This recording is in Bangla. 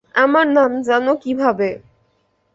আমার নাম জানো কীভাবে?